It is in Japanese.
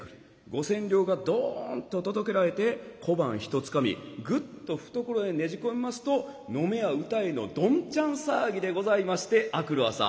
五千両がどんと届けられて小判ひとつかみぐっと懐へねじ込みますと飲めや歌えのどんちゃん騒ぎでございまして明くる朝。